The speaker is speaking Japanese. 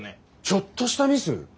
ちょっとしたミス？